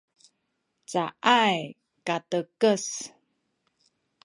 caay katekes